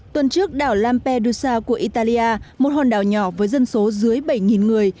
tuần trước đảo lampedusa của italia một hòn đảo nhỏ với dân số dưới bảy người